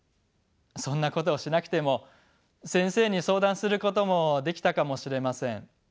そんなことをしなくても先生に相談することもできたかもしれません。